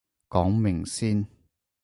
講明先